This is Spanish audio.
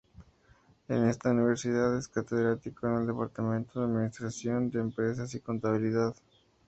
En esta universidad es catedrático en el departamento de Administración de Empresas y Contabilidad.